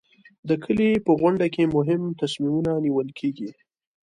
د کلي په غونډه کې مهم تصمیمونه نیول کېږي.